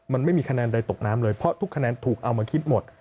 มันไม่มีคะแนนใดตกน้ำเลยเพราะทุกคะแนนถูกเอามาคิดหมด